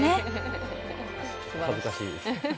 恥ずかしいです。